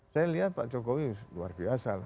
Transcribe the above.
saya lihat pak jokowi luar biasa